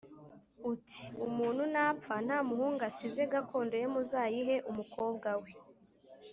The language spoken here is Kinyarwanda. uti umuntu napfa nta muhungu asize gakondo ye muzayihe umukobwa we